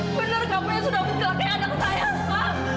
benar kamu yang sudah memperlakai anak saya ha